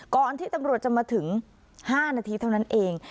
ก่อนที่ตำรวจจะมาถึง๕นาทีเท่านั้นเอง